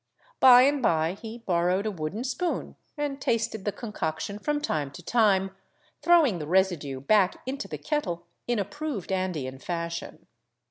By and by he borrowed a wooden spoon and tasted the concoction from time to time, throwing the residue back into the kettle in approved Andean fashion.